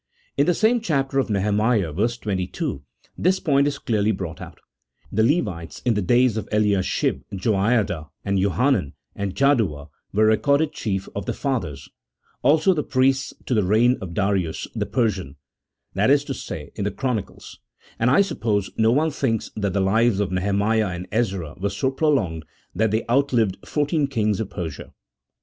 In the same chapter of Nehemiah, verse 22, this point is clearly brought out: " The Levites in the days of Ehashib, Joiada, and Johanan, and Jaddua, were recorded chief of the fathers : also the priests, to the reign of Darius the Per sian "— that is to say, in the chronicles ; and, I suppose, no one thinks 1 that the lives of Neheiniah and Ezra were so prolonged that they outlived fourteen kings of Persia.